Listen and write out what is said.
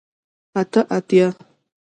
اته اتیا